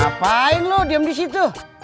ngapain lo diem disitu